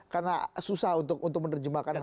karena susah untuk menerjemahkan hal hal